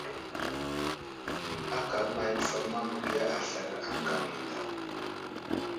Aka əmay kəfakuma məgiya aslər aŋgam yo daw ?